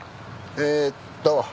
えーっと。